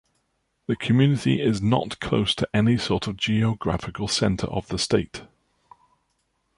The community is not close to any sort of geographical center of the state.